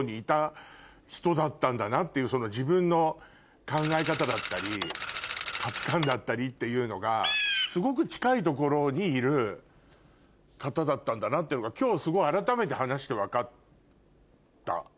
んだなっていう自分の考え方だったり価値観だったりっていうのがすごく近いところにいる方だったんだなっていうのが今日すごい改めて話して分かった。